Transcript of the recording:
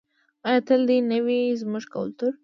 آیا تل دې نه وي زموږ کلتور؟